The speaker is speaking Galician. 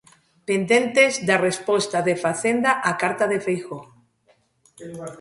Pendentes da resposta de Facenda á carta de Feijóo.